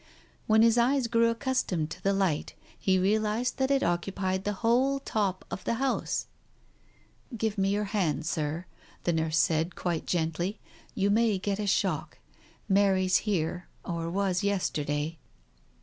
When his eyes grew accustomed to the light, he realized that it occupied the whole top of the house. "Give me your hand, Sir," the nurse said quite gently. "You may get a shock. Mary's here, or was yesterday."